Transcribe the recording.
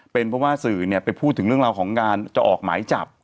เป็นเพราะว่าสื่อไปพูดถึงเรื่องราวของการจะออกหมายจับ